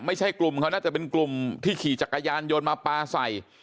ไม่ใช่กลุ่มเขาน่าจะเป็นกลุ่มที่ขี่จักรยานยนต์มาปลาใส่